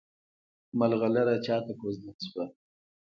ملغلره چاته کوژدن شوه؟